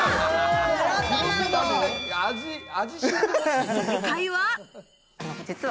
正解は。